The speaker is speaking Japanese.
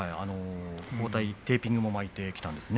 重たいテーピングを巻いてきたんですね。